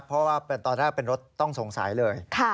เพราะว่าตอนแรกเป็นรถต้องสงสัยเลย